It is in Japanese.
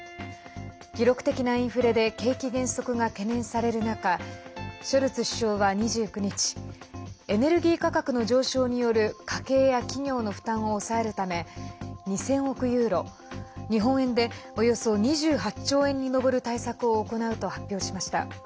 記録的なインフレで景気減速が懸念される中ショルツ首相は２９日エネルギー価格の上昇による家計や企業の負担を抑えるため２０００億ユーロ日本円でおよそ２８兆円に上る対策を行うと発表しました。